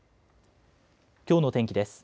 きょうの天気です。